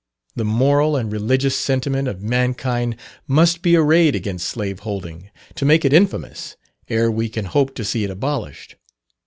The moral and religious sentiment of mankind must be arrayed against slave holding, to make it infamous, ere we can hope to see it abolished.